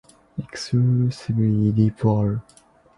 Exclusively deep water.